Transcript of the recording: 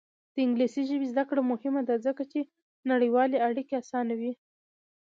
د انګلیسي ژبې زده کړه مهمه ده ځکه چې نړیوالې اړیکې اسانوي.